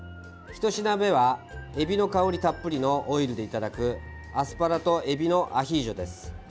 １品目は、えびの香りたっぷりのオイルでいただく「アスパラとえびのアヒージョ」です。